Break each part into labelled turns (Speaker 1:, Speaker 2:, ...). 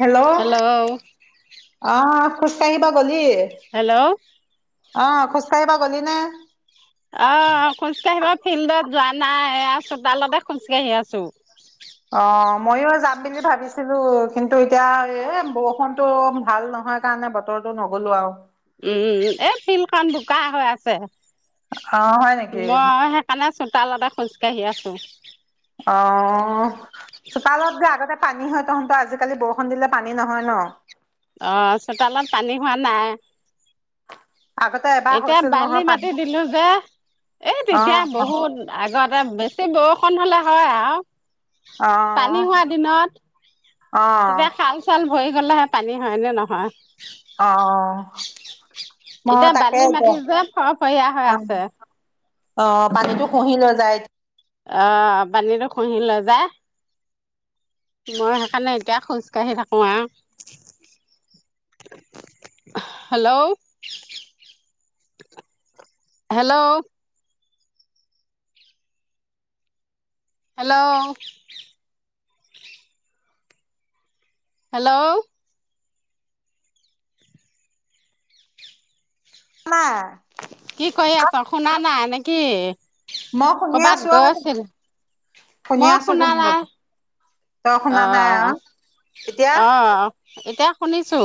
Speaker 1: Hello
Speaker 2: hello.
Speaker 1: খুজ কাঢ়িব গলি।
Speaker 2: হেল্লো।
Speaker 1: অ খোজকাঢ়িব গলি নে?
Speaker 2: অ খোজ কাঢ়িব ফিল্ডত যোৱা নাই চোতালতে খোজকাঢ়ি আছোঁ।
Speaker 1: মইয়ো যাম বুলি ভাবিছিলোঁ কিন্তু এতিয়া বৰষুণটো ভাল নহয় কাৰণে বতৰটো নগলো আৰু।
Speaker 2: উম এই ফিল্ডখন বোকা হৈ আছে।
Speaker 1: অ হয় নেকি?
Speaker 2: মই সেইকাৰণে চোতালতে খোজকাঢ়ি আছোঁ।
Speaker 1: অ চোতালত যে আগতে পানী হয় তহঁতৰ আজি কালি বৰষুণ দিলে পানী নহয় ন?
Speaker 2: অ চোতালত পানী হোৱা নাই।
Speaker 1: আগতে এবাৰ
Speaker 2: এতিয়া
Speaker 1: হৈছিল
Speaker 2: বালি
Speaker 1: নহয় পানী
Speaker 2: মাটি দিলোঁ যে এই
Speaker 1: অ
Speaker 2: তেতিয়া বহুত আগতে বেছি বৰষুণ পানী হ'লে হয় আৰু।
Speaker 1: অ
Speaker 2: পানী হোৱাৰ দিনত
Speaker 1: অ
Speaker 2: তেতিয়া খাল চাল ভৰি গ'লেহে পানী হয় এনে নহয়।
Speaker 1: অ মানে
Speaker 2: এতিয়া বালি
Speaker 1: তাকেই দে
Speaker 2: মাটি যে ফৰফৰীয়া হৈ
Speaker 1: অ।
Speaker 2: আছে
Speaker 1: অ পানীতো খহি লৈ যায়।
Speaker 2: অ পানীটো খহি লৈ যায় মই সেইকাৰণে এতিয়া খোজ কাঢ়ি থাকোঁ আৰু হেল্ল' হেল্ল'। হেল্ল'। হেল্ল'।
Speaker 1: মা।
Speaker 2: কি কৰি আছ শুনা নাই নেকি? কি?
Speaker 1: মই শুনি আছো
Speaker 2: কৰ'বাত
Speaker 1: আৰু
Speaker 2: গৈছিল
Speaker 1: শুনি
Speaker 2: মই
Speaker 1: আছো
Speaker 2: শুনা
Speaker 1: তুমি
Speaker 2: নাই
Speaker 1: তই শুনা নাই আও এতিয়া
Speaker 2: অ অ। এতিয়া শুনিছোঁ।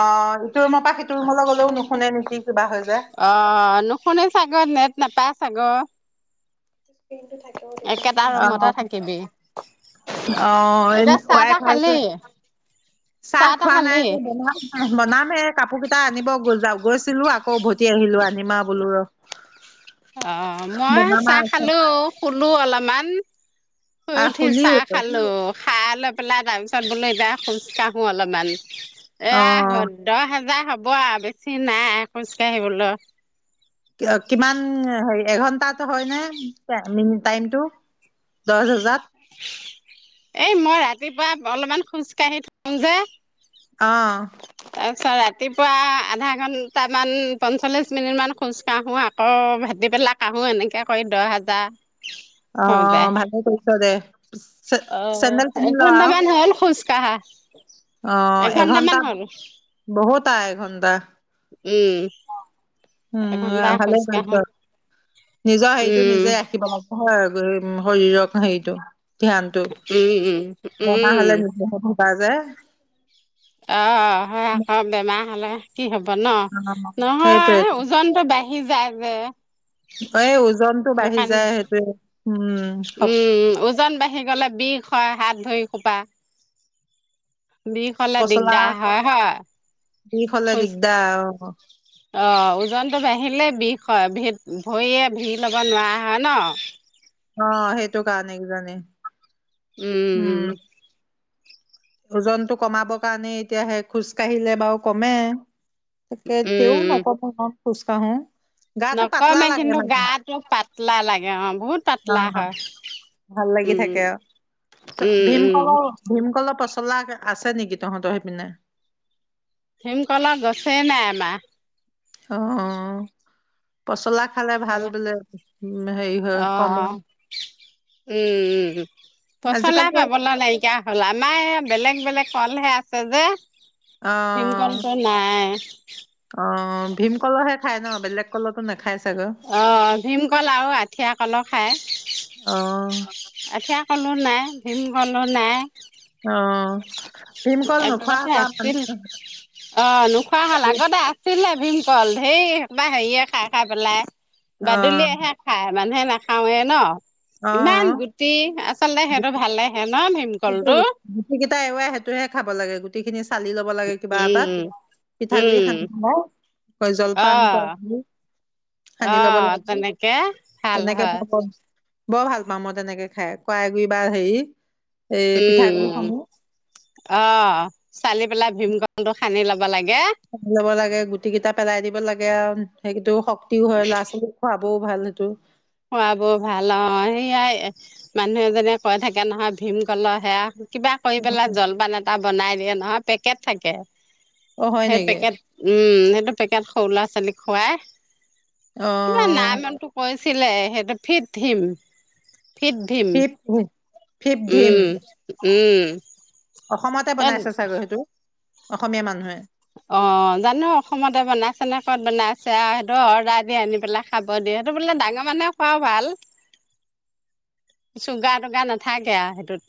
Speaker 1: অ ইটো ৰুমৰ পৰা সিটো ৰুমলৈ গ'লেও নুশুনে নেকি? কিবা হৈ যায়।
Speaker 2: অ নুশুনে চাগে নেট নাপায় চাগে।
Speaker 1: [unintelligible]
Speaker 2: একেটা
Speaker 1: অ
Speaker 2: ৰুমতে থাকিবি।
Speaker 1: অ
Speaker 2: এতিয়া চাহ
Speaker 1: ৱাই
Speaker 2: তাহ
Speaker 1: ফাইটো
Speaker 2: খালি।
Speaker 1: চাহ
Speaker 2: তাহ
Speaker 1: খোৱা
Speaker 2: খালি
Speaker 1: নাই বনোৱা নাই বনামহে কাপোৰ গিটা আনিব গ'ল যাওঁ। গৈছিলোঁ আকৌ উভতি আহিলোঁ আনিমে বোলো ৰ।
Speaker 2: অ মই
Speaker 1: বনামা
Speaker 2: চাহ
Speaker 1: আছে
Speaker 2: খালো। শুলো অলপমান। শুই
Speaker 1: আহ
Speaker 2: উঠি
Speaker 1: শুলিও
Speaker 2: চাহ খালো। খায় লৈ পেলাই তাৰ পিছত বোলো এতিয়া খোজ কাঢ়ো অলপমান।
Speaker 1: অ
Speaker 2: এয়া দহ হেজাৰ হ'ব। হব বেছি নাই খোজকাঢ়িবলৈ।
Speaker 1: কিমান হে এঘন্টাট হয় নে টাইমটো। দহ হাজাৰত।
Speaker 2: এই মই ৰাতিপুৱা অলপমান খোজ কাঢ়ি থওঁ যে।
Speaker 1: অ
Speaker 2: তাৰ পিছত ৰাতিপুৱা আধা ঘন্টামান পঞ্চল্লিশ মিনিট মান খোজ কাঢ়ো আকৌ ভেতি পেলাই কাঢ়ো এনেকে কৰি দহ হাজাৰ।
Speaker 1: অ ভালেই কৰিছ দে।
Speaker 2: অ
Speaker 1: চেন্দেল কিনি ল আও
Speaker 2: এঘন্টামান হল খোজ কাঢ়া।
Speaker 1: অ
Speaker 2: এঘন্টামান
Speaker 1: এঘন্টাত
Speaker 2: হ'ল
Speaker 1: বহুত টা এঘণ্টা
Speaker 2: উম এঘন্টা
Speaker 1: উম ভালে
Speaker 2: খোজ কাঢ়ো
Speaker 1: কৰিছ নিজৰ হেৰিতো
Speaker 2: উম
Speaker 1: নিজে ৰাখিব লাগে হয়। শৰীৰক সেইটো।
Speaker 2: উম উম উম
Speaker 1: তাজাই
Speaker 2: অ হয় আকৌ বেমাৰ হ'লে। কি হ'ব ন
Speaker 1: সেইটোৱে
Speaker 2: নহয় ওজনটো বাঢ়ি। যায় যে।
Speaker 1: এই ওজনতটো বাঢ়ি
Speaker 2: সেইকাৰণে
Speaker 1: যায় সেইটোয়ে উম।
Speaker 2: আহি গলে বিষ হয় হাত ভৰি খোপা বিষ হলে
Speaker 1: পচলা
Speaker 2: দিগদাৰ হয় হয়
Speaker 1: বিষ হলে
Speaker 2: খোজ
Speaker 1: দিগদাৰ অ
Speaker 2: অ ওজনটো বাঢ়িলেই বিষ হয় ভি ভৰিয়ে ভিৰ ল'ব নোৱাৰা হয় ন।
Speaker 1: অ সেইটো কাৰণে কিজানি।
Speaker 2: উম।
Speaker 1: ওজনতটো কমাবৰ কাৰণে এতিয়া হে খোজ কাঢ়িলে বাৰু কমে। কেতেয়াওঁ
Speaker 2: উম
Speaker 1: নকমে নহ। খোজ কাঢ়ো। গাটো পাতলা
Speaker 2: নকমে
Speaker 1: লাগে
Speaker 2: কিন্তু
Speaker 1: মানে
Speaker 2: গাটো পাতলা লাগে অ বহুত পাতলা
Speaker 1: অ
Speaker 2: হয়।
Speaker 1: ভাল লাগি
Speaker 2: উম
Speaker 1: থাকে আৰু
Speaker 2: উম উম।
Speaker 1: চলা আছে নেকি তহঁতৰ সেইপিনে?
Speaker 2: ভিম কল গছে নাই আমাৰ।
Speaker 1: অও অহ। পচলা খালে ভাল বোলে উম হেৰি হয়
Speaker 2: অ
Speaker 1: কমে।
Speaker 2: উম উম উম পচলা
Speaker 1: আজিকালি
Speaker 2: পাবলৈ নাইকিয়া হ'ল আমাই বেলেগ বেলেগ ফলহে আছে যে
Speaker 1: অ
Speaker 2: ভীমকলটো নাই। [unintelligible]
Speaker 1: অ ভীম কলৰহে খাই ন বেলেগ কলটো নে
Speaker 2: অ ভীমকল আৰু আঠিয়া কল খাই
Speaker 1: অ
Speaker 2: আঠিয়া, কলো নাই ভীমকলো নাই।
Speaker 1: অ ভীমকল
Speaker 2: এক
Speaker 1: নোখোৱা
Speaker 2: দকা
Speaker 1: হ'লা
Speaker 2: আছিল
Speaker 1: মানুহ
Speaker 2: অ নোখোৱা হল
Speaker 1: আজিকালি
Speaker 2: আগতে আছিলে বিম কল ঢেৰ হেখাপা হেৰিয়ে খাই খাই পেলাই
Speaker 1: অ
Speaker 2: বাদুলিয়হে খাই মানুহে না, খাওঁৱে ন?
Speaker 1: অ
Speaker 2: ইমান গুটি আচলতে সিহতৰ ভালে সে ন
Speaker 1: সেইটো
Speaker 2: ভীমকলটো
Speaker 1: গুটি কেইটা এৰুৱাই সেইটোহে খাব লাগে গোট। তি খিনিছ চালি ল'ব লাগে কিবা
Speaker 2: উম
Speaker 1: এটাত পিঠাগুৰি
Speaker 2: উম
Speaker 1: সানি জলপান
Speaker 2: অ'
Speaker 1: কৰে সানি ল'ব
Speaker 2: অ'
Speaker 1: লাগে
Speaker 2: তেনেকে
Speaker 1: তেনেকে
Speaker 2: হয়
Speaker 1: ভাল বৰ ভাল পাওঁ মই তেনেকে খাই কৱাই গুৰি বা হেৰি এই
Speaker 2: উম
Speaker 1: পিঠাগুৰি
Speaker 2: উম
Speaker 1: সমূহ
Speaker 2: অ চালি পেলাই ভীম ক কলটো সানি ল'ব লাগে।
Speaker 1: লব লাগে গুটি কেইটা পেলাই দিব লাগে আৰু সেইকটো হক তিউ হয় লৰা আছিল খুৱাপ, বৌ ভাল সেটো,
Speaker 2: খোৱ বোৰ ভাল অ সেয়াই মানুহ এজনে কৈ থাকে নহয় ভীমকলৰ সেয়া, কিবা কৰি পেলাই জলপান এটা বনাই দিয়ে নহয় পেকেট থাকে।
Speaker 1: অ হয়
Speaker 2: সেই
Speaker 1: নেকি
Speaker 2: পেকেট উম সে টো পেকেট সৰু ল'ৰা ছোৱালী খুৱাই,
Speaker 1: অ
Speaker 2: কিবা নাম মনতটো কৈছ চছিলে সেইটো ফিট থিম ফিথ ভিম
Speaker 1: ফিপ ফিপ ধিম
Speaker 2: উম উম।
Speaker 1: অসমতে
Speaker 2: এ
Speaker 1: বনাইছে ছাগৈ সেইটো। অসমীয়া মানুহে।
Speaker 2: অ'জানো অসমতে বনাইছে নে ক'ত বনাইছে। আৰু সেইটো অৰ্ডাৰ দি আনি পেলাই খাব দিয়ে। সেইটো বোলে ডাঙৰ মানুহে খুৱা ভাল চুগাৰ-তুগাৰ নাথাকে আৰু সেইটোত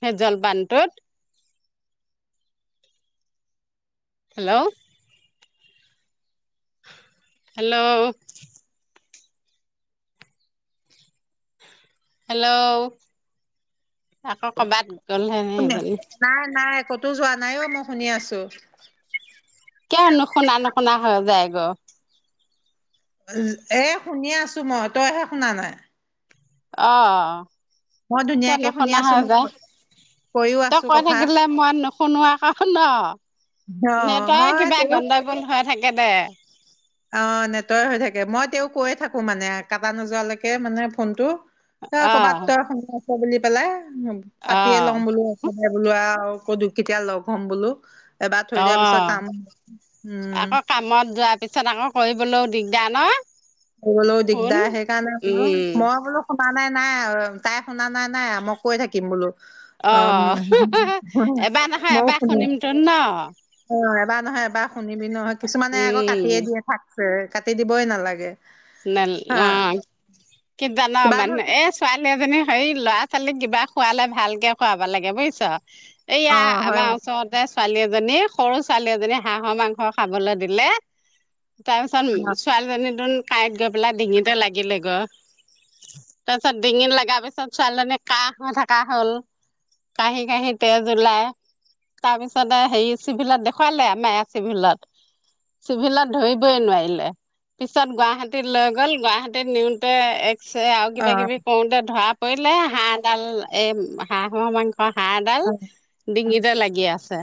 Speaker 2: সেই জলপানটোত। হেল্ল'। হেল্ল'। হেল্ল' আকৌ কৰবাত
Speaker 1: কোনে
Speaker 2: [unintelligible]
Speaker 1: নাই নাই কতো যোৱা নাই অ' মই শুনি আছো।
Speaker 2: কিয় নুশুনা, নুশুনা হৈ যায় গৈ?
Speaker 1: এ শুনি আছো মই, তইহে শুনা নাই।
Speaker 2: অ'।
Speaker 1: মই
Speaker 2: কিয়
Speaker 1: ধুনীয়াকে শুনি
Speaker 2: নুশুনা
Speaker 1: আছো
Speaker 2: হয়
Speaker 1: মই
Speaker 2: যে,
Speaker 1: কৈ কৈও
Speaker 2: তই
Speaker 1: আছো
Speaker 2: কৈ
Speaker 1: কথা
Speaker 2: থাকিলে মই নুশুনোৱা আক ন'
Speaker 1: অ
Speaker 2: নেটৰই
Speaker 1: মই
Speaker 2: কিবা
Speaker 1: তেও
Speaker 2: গণ্ডগোল হৈ থাকে। [unintelligible]
Speaker 1: অ নেটয় হৈ থাকে, মই তেওঁ কৈয়ে থাকো মানে, কাটা নোযোৱালৈকে মানে ফোনটো। ত
Speaker 2: অ
Speaker 1: ক'ৰবাত তইৰ বুলি পেলাই
Speaker 2: অ
Speaker 1: পাতিয়ে লম বোলো, একেবাই বোলো আৰু আকৌ তোক কেতিয়া লগ হম বোলো। এবাৰ থৈ দিয়াৰ পিছত
Speaker 2: অ',
Speaker 1: কাম উম
Speaker 2: আকৌ কামত যোৱাৰ পিছত আকৌ, কৰিবলৈও দিগদাৰ ন?
Speaker 1: কৰিবলৈও
Speaker 2: ফোন
Speaker 1: দিগদাৰ। সেইকাৰণে বোলো
Speaker 2: উম
Speaker 1: মই বোলো শুনা নাই নাই আৰু তাই শুনা নাই নাই মই কৈ থাকিম বোলো।
Speaker 2: অ 'এবাৰ নহয়
Speaker 1: ময়ো
Speaker 2: এবাৰ
Speaker 1: শুনি
Speaker 2: শুনিম তোন ন?
Speaker 1: অ এবাৰ নহয় এবাৰ শুনিবি নহয়, কিছুমানে আকৌ
Speaker 2: উম
Speaker 1: কাটিয়ে দিয়ে থাক আ'কাটি দিবই নালাগে। হা
Speaker 2: অ কি জানা
Speaker 1: কিবা
Speaker 2: মানে
Speaker 1: নহয়
Speaker 2: এ ছোৱালী এজনী হেৰি ল'ৰা-ছোৱালীক কিবা খোৱালে ভালকে খুৱাব লাগে, বুজিছ। এইয়া
Speaker 1: অ', হয়
Speaker 2: আমাৰ ওচৰতে ছোৱালী এজনী সৰু ছোৱালী এজনী হাঁহৰ মাংস খাবলৈ দিলে। তাৰ পিছত
Speaker 1: অ
Speaker 2: ছোৱালীজন তোন কাঁইত গৈ পেলাই ডিঙিতে লাগিলেগৈ তাৰপিছত ডিঙিত লগা পিছত ছোৱালীজনী কাহ হৈ থকা হল। কাহি-কহি তেজ ওলাই তাৰপিছতে হেৰি চিভিলত দেখুৱালে আমাৰ চিভিলত। চিভিলত ধৰিবই নোৱাৰিলে পিছত গুৱা গুৱাহাটী লৈ গ'ল, গুৱাহাটীত নিওঁতে এক ছে আৰু কিবা-কিবি কৰোতে ধৰা পৰিলে হাঁহডাল এ হাঁহ মাংস অ হাঁ ডাল ডিঙিত লাগি আছে।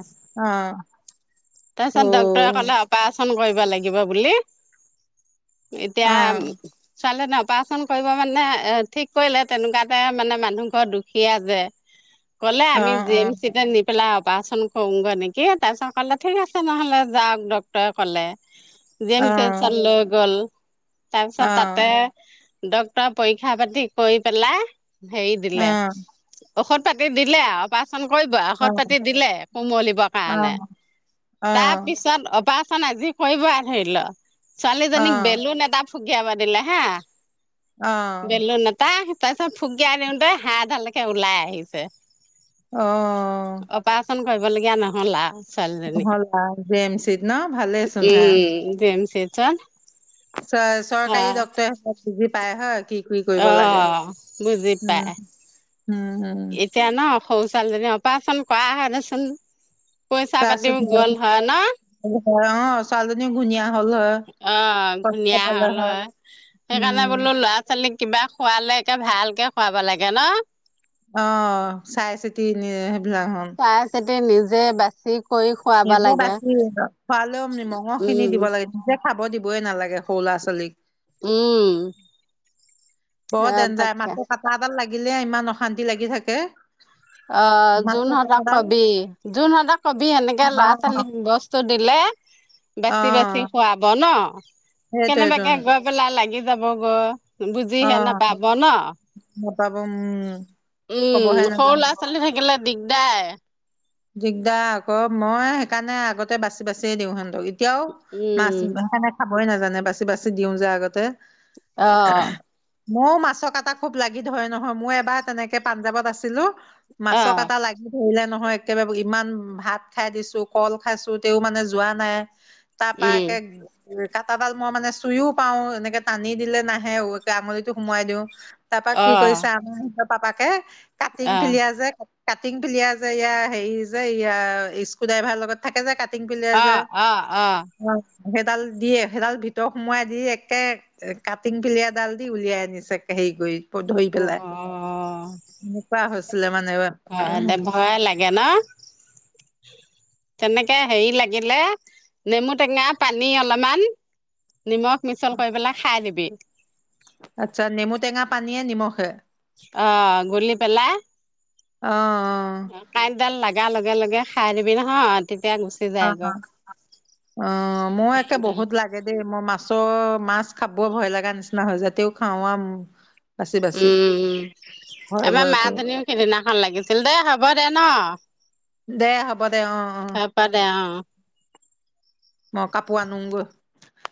Speaker 2: তাৰপিছত ডক্তৰে কলে অপা চন কৰিব লাগিব বুলি। এতিয়া চালে ন? অপাৰচন কৰিব মানে এ ঠিক কৰিলে তেনেকোৱাতে মানে মানুহ ঘৰ দুখিয়া যে ক'লে আমি জি এম চিতে নিপেলাই আও অপাৰচন কৰোঁগৈ নেকি তাৰপিছত ক'লে ঠিক আছে নহ'লে যাওক ডক্টৰে ক'লে। জি এম চিএইচত লৈ গ'ল। তাৰপিছত তাতে ডক্তৰে পৰীক্ষা পাতি কৰি পেলাই হেৰি দিলে। ঔষধ পাতি দিলে আও পাচ অপাৰেশ্যন কৰিব ঔষধ পাতি দিলে কুমলিবৰ কাৰণে তাৰপিছত অপা ৰেশ্যন আজি কৰিব আ ধৰি ল। ছোৱালী জনীক টা ফুগিয়াব দিলে হা বেল নতা। তাৰপিছত ফুকিয়াই দিওঁতেই হাড়ডালেকে ওলাই আহিছে।
Speaker 1: অহ
Speaker 2: হব লগীয়া নহ'ল আ
Speaker 1: হল আও জি এম চিএইচত ন ভালে চোন হা।
Speaker 2: জান
Speaker 1: চ চৰকাৰী ডক্তৰ আৰু বোজি পায় হয় কি কি কৰিব
Speaker 2: অ
Speaker 1: লাগে।
Speaker 2: বুজি
Speaker 1: উম,
Speaker 2: পাই
Speaker 1: উম, উম।
Speaker 2: এতিয়া ন। শৌচাল অপাৰেচন কৰা হয় দেচোন। পইচা
Speaker 1: চাচোন
Speaker 2: পাতিও
Speaker 1: তই
Speaker 2: গ'ল হয় ন।
Speaker 1: অ ছোৱালীজনী ঘুনিয়া
Speaker 2: অ ধুনীয়া হ'ল হয় সেইকাৰণে
Speaker 1: উম,
Speaker 2: বোলো ল'ৰা ছোৱালীক কিবা খোৱালে একে ভালকে খুৱাব লাগে ন?
Speaker 1: অ চাই ছিতি নি? বিলা হন।
Speaker 2: তি নিজে বাচি কৰি খুৱাব
Speaker 1: নিজে
Speaker 2: লাগে
Speaker 1: বাছি খোৱালেও মঙহ খিনি
Speaker 2: উম
Speaker 1: দিব লাগে নিজে খাব দিব বই নালাগে সৰু ল'ৰা ছোৱালীক।
Speaker 2: উম।
Speaker 1: বৰ
Speaker 2: অ'
Speaker 1: দেনজা
Speaker 2: তাকে
Speaker 1: মাছ কাটা এডাল লাগি গিলে ইমান অশান্তি লাগি থাকে।
Speaker 2: অ
Speaker 1: মাছৰ
Speaker 2: যোনহতক
Speaker 1: কাটাডাল
Speaker 2: কবি যোনহতক কবি সেনেকে
Speaker 1: অ
Speaker 2: ল'ৰা ছোৱালীক বস্তু দিলে
Speaker 1: অ
Speaker 2: বেছি বেছি খুৱাব ন কেনেবাকে
Speaker 1: সেইটোৱেইটোন
Speaker 2: গৈ পেলাই লাগি। যাবগৈ।
Speaker 1: অ
Speaker 2: বুজিহে নাপাব ন
Speaker 1: নাপাব উম
Speaker 2: উম
Speaker 1: কবহে
Speaker 2: সৰু
Speaker 1: নাজানিব
Speaker 2: ল। গিলে দিগদায়।
Speaker 1: দিগদাৰ আক মই সেইকাৰণে আগতে বাচি বাচিয়ে দিওঁ হেতকি। এতিয়াও মাছ
Speaker 2: উম
Speaker 1: [inaudible] হয় নাজানে বাচি বাচি দিও যে আগতে।
Speaker 2: অ।
Speaker 1: মো মাছ কাটা খুব লাগি ধৰে নহয় মই এবাৰ তেনেকে পাঞ্জাৱত আছিলো। মাছ
Speaker 2: অ'
Speaker 1: কাটা লাগি ধৰিলে ন হয়। একবাৰে ইমান ভাত খাই দিছো কল খাইছো তেও মানে যোৱা নাই। তা
Speaker 2: উম
Speaker 1: পাকে। কাটাডাল মই মানে চুইও পাও এনেকে টানি দিলে নাহে আগলিটো সোমোৱাই দিওঁ। তাপা কি
Speaker 2: অ',
Speaker 1: কৰিছে আমাৰ সিহঁত পাপাক। হে। কাটিং
Speaker 2: অ',
Speaker 1: পলিয়া যে। কাটিং পিলিয়া যে ইয়া। হেৰি যে ইয়া স্কু ড্ৰাইভাৰ লগত থাকে যে কাট।
Speaker 2: অ অ অ।
Speaker 1: সেইডাল দিয়ে সেইডাল ভিতৰত সোমোৱাই দি একে কাটিং পিলিয়়ডাল দি উলিয়াই আনিছে। হেৰি কৰি ধৰি পেলাই
Speaker 2: অ',
Speaker 1: এনেকুৱা হৈছিলে মানে।
Speaker 2: নে তেনেকে হেৰি লাগিলে নেমু টেঙা পানী অলপমান। নিমখ মিছল কৰি পেলাই খাই দিবি।
Speaker 1: আচ্ছা নেমু টেঙা পানীয়ে নিমখে।
Speaker 2: অ গোলি পেলায়।
Speaker 1: অ।
Speaker 2: কাইট দাল লাগা ল। লগে লগে খাই দিবি নহই।
Speaker 1: অ অ অ মই একে
Speaker 2: হেৰিডাল
Speaker 1: বহুত লাগে দেই ম মাছ। ছ মাছ খাব ভয় লগা নিচিনা হৈছে তেও খাওঁ আও
Speaker 2: উম আমাৰ
Speaker 1: ভয়
Speaker 2: মা
Speaker 1: কৰি
Speaker 2: জনীও সেইদিনাখন লাগিছিল দেই হ'ব দে ন
Speaker 1: দে হ'ব দে অ অ
Speaker 2: হ'ব দে অ'।
Speaker 1: মই কাপোৰ আনো গৈ